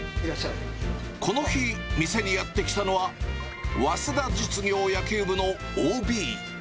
この日、店にやって来たのは、早稲田実業野球部のＯＢ。